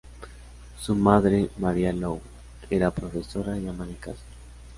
Su madre, María Lou, era profesora y ama de casa.